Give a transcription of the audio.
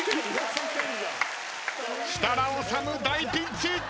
設楽統大ピンチ！